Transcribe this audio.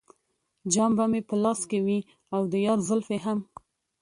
جام به مې په لاس وي او د یار زلفې هم.